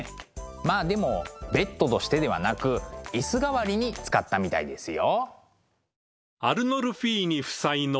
まあでもベッドとしてではなく椅子代わりに使ったみたいですよ。